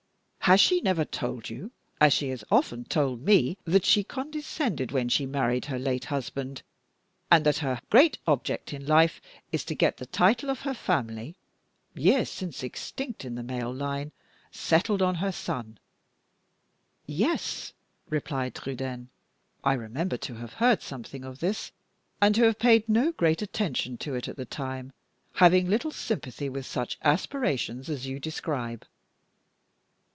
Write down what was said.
Has she never told you, as she has often told me, that she condescended when she married her late husband; and that her great object in life is to get the title of her family (years since extinct in the male line) settled on her son?" "Yes," replied Trudaine; "I remember to have heard something of this, and to have paid no great attention to it at the time, having little sympathy with such aspirations as you describe.